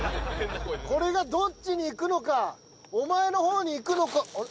これがどっちに行くのかお前の方に行くのかあれ？